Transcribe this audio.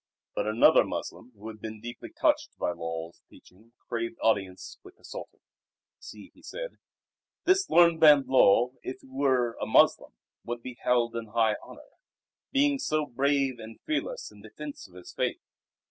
But another Moslem who had been deeply touched by Lull's teaching craved audience with the Sultan. "See," he said, "this learned man Lull if he were a Moslem would be held in high honour, being so brave and fearless in defence of his Faith.